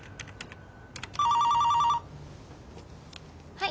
☎はい。